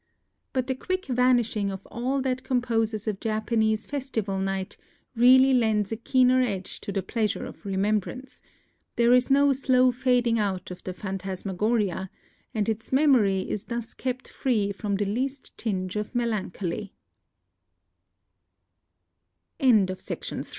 But the quick vanishing of all that composes a Japanese festival night really lends a keener edge to the pleasure of remembrance : there is no slow fading out of the phantasmagoria, and its memory is thus kept free from the least ting